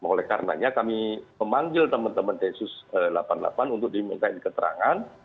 oleh karenanya kami memanggil teman teman densus delapan puluh delapan untuk dimintain keterangan